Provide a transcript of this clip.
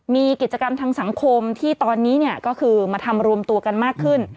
มีกิจกรรมทางสังคมที่ตอนนี้เนี่ยก็คือมาทำรวมตัวกันมากขึ้น